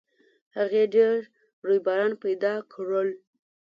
هغې ډېر رویباران پیدا کړل